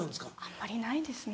あんまりないですね。